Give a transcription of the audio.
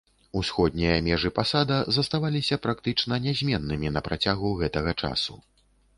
Усходнія межы пасада заставаліся практычна нязменнымі на працягу гэтага часу.